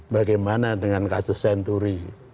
bagaimana dengan kasus senturi